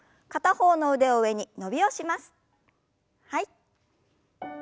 はい。